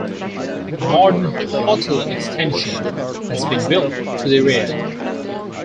A modern hotel extension has been built to the rear.